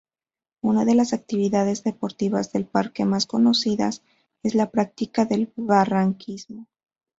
Una de las actividades deportivas del Parque más conocidas es la práctica del barranquismo.